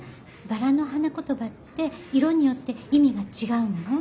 バラの花言葉って色によって意味が違うのね。